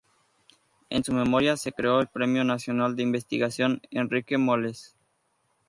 En su memoria se creó el Premio Nacional de Investigación Enrique Moles.